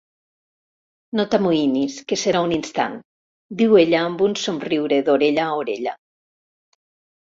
No t'amoïnis, que serà un instant –diu ella amb un somriure d'orella a orella–.